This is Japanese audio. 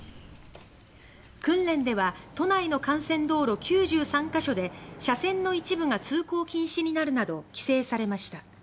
訓練では都内の幹線道路９３か所で車線の一部が通行禁止になるなど規制されました。